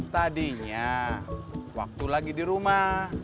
tadinya waktu lagi di rumah